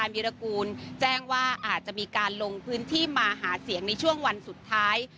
วิรากูลแจ้งว่าอาจจะมีการลงพื้นที่มาหาเสียงในช่วงวันสุดท้าย